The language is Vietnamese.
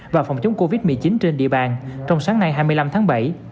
và phòng chống covid một mươi chín trên địa bàn trong sáng nay hai mươi năm tháng bảy